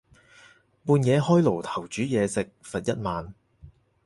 半夜開爐頭煮嘢食，罰一萬